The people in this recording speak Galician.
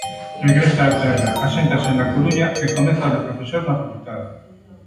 Regresa á terra, aséntase na Coruña e comeza de profesor na facultade.